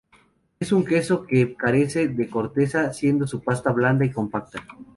Es un queso que carece de corteza, siendo su pasta blanda y compacta.